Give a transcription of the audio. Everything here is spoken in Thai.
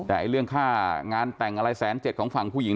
แต่เรื่องค่างานแต่งอะไรแสนเจ็ดของฝั่งผู้หญิง